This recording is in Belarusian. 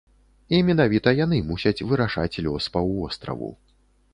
І менавіта яны мусяць вырашаць лёс паўвостраву.